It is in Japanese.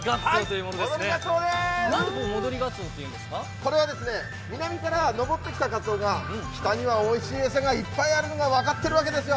これは南から上ってきたかつおが北にはおいしい餌がいっぱいあるのが分かっているわけですよ。